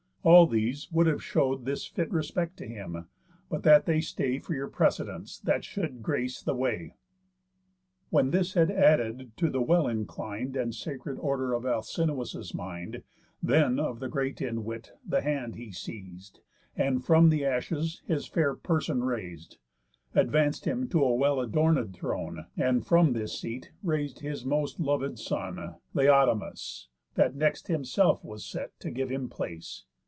All these would have show'd This fit respect to him, but that they stay For your precedence, that should grace the way." When this had added to the well inclin'd And sacred order of Alcinous' mind, Then of the great in wit the hand he seis'd, And from the ashes his fair person rais'd, Advanc'd him to a well adornéd throne, And from his seat rais'd his most lovéd son, Laodamas, that next himself was set, To give him place.